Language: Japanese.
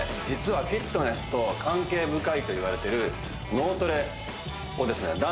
実はフィットネスと関係深いといわれてる脳トレをですね